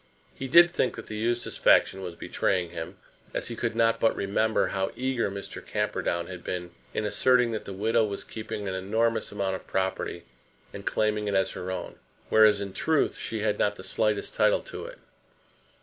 He did think that the Eustace faction was betraying him, as he could not but remember how eager Mr. Camperdown had been in asserting that the widow was keeping an enormous amount of property and claiming it as her own, whereas, in truth, she had not the slightest title to it.